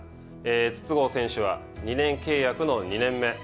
筒香選手は、２年契約の２年目。